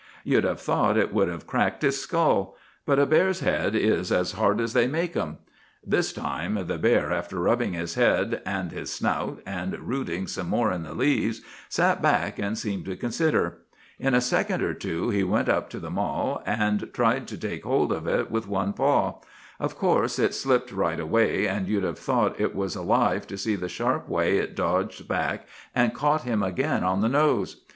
You'd have thought it would have cracked his skull; but a bear's head is as hard as they make them. "'This time the bear, after rubbing his head and his snout, and rooting some more in the leaves, sat back and seemed to consider. In a second or two he went up to the mall, and tried to take hold of it with one paw; of course it slipped right away, and you'd have thought it was alive to see the sharp way it dodged back and caught him again on the nose.